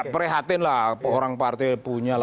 perehatinlah orang partai punya lah